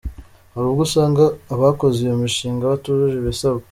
Hari ubwo usanga abakoze iyo mishanga batujuje ibisabwa.